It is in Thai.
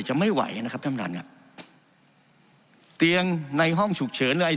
จะไม่ไหวนะครับท่านครับเตียงในห้องฉุกเฉินหรือ